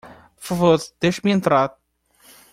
Por favor, deixe-me entrar.